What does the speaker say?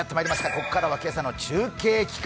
ここからは今朝の中継企画。